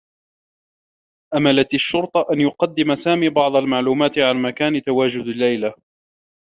أملت الشّرطة أن يقدّم سامي بعض المعلومات عن مكان تواجد ليلى.